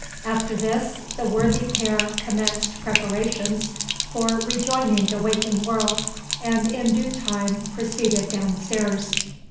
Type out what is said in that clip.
After this, the worthy pair commenced preparations for rejoining the waking world, and in due time proceeded downstairs.